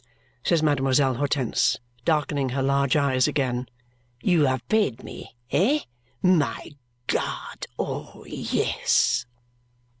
says Mademoiselle Hortense, darkening her large eyes again. "You have paid me? Eh, my God, oh yes!"